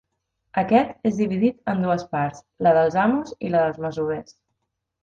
Aquest és dividit en dues parts, la dels amos i la dels masovers.